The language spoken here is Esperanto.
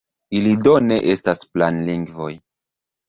Ili do ne estas "planlingvoj".